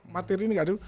materi ini gak ada